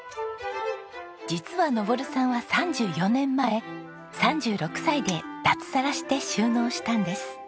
実は昇さんは３４年前３６歳で脱サラして就農したんです。